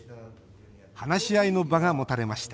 話し合いの場が持たれました